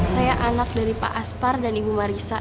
saya anak dari pak aspar dan ibu warissa